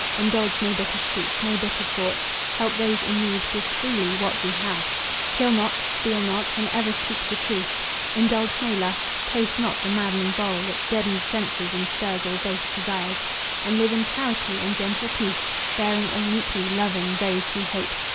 Indulge no bitter speech, no bitter thoughts. Help those in need; give freely what we have. Kill not, steal not, and ever speak the truth. Indulge no lust; taste not the maddening bowl That deadens sense and stirs all base desires; And live in charity and gentle peace, Bearing all meekly, loving those who hate.